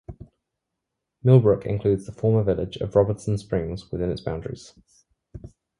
Millbrook includes the former village of Robinson Springs within its boundaries.